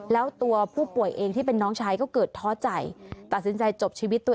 แล้วตัวผู้ป่วยเองที่เป็นน้องชายก็เกิดท้อใจตัดสินใจจบชีวิตตัวเอง